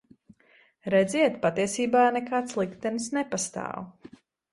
Redziet, patiesībā nekāds liktenis nepastāv.